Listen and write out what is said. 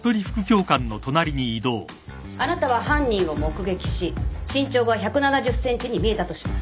あなたは犯人を目撃し身長が１７０ｃｍに見えたとします。